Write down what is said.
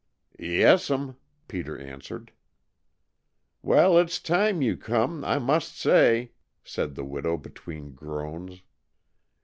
"Yes'm," Peter answered. "Well, it's time you come, I must say," said the widow, between groans.